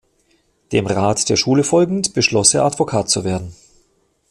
Dem Rat der Schule folgend, beschloss er Advokat zu werden.